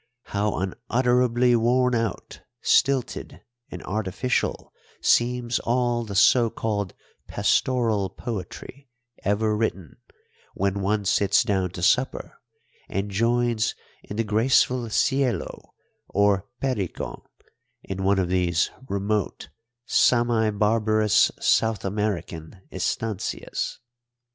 How unutterably worn out, stilted, and artificial seems all the so called pastoral poetry ever written when one sits down to supper and joins in the graceful Cielo or Pericon in one of these remote, semi barbarous South American estancias!